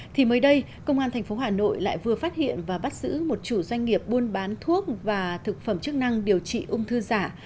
thì mới đây công an tp hà nội lại vừa phát hiện và bắt giữ một chủ doanh nghiệp buôn bán thuốc và thực phẩm chức năng điều trị ung thư giả